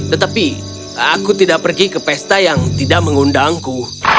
tetapi aku tidak pergi ke pesta yang tidak mengundangku